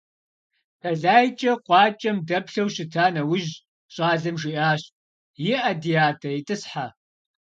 ТэлайкӀэ къуакӀэм дэплъэу щыта нэужь, щӀалэм жиӀащ: - ИӀэ, ди адэ, итӀысхьэ.